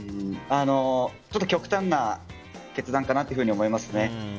ちょっと極端な決断かなというふうに思いますね。